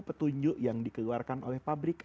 petunjuk yang dikeluarkan oleh pabrik